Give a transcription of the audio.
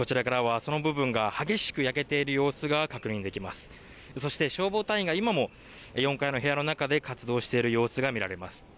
そして消防隊員が今も４階の部屋の中で活動している様子が見られます。